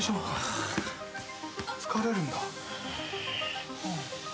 疲れるんだ。